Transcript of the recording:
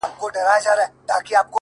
• په محراب او منبر ښکلی بیرغ غواړم ,